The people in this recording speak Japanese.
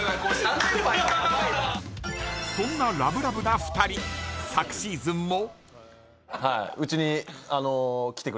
そんなラブラブな２人昨シーズンも。